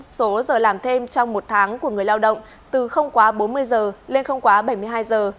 chính phủ đề xuất nâng số giờ làm thêm trong một tháng của người lao động từ không quá bốn mươi giờ lên không quá bảy mươi hai giờ